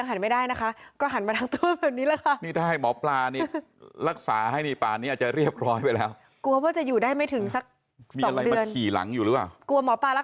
ขออภัยคุณผู้ชมที่คุณผู้ชมถามเหมือนกันว่า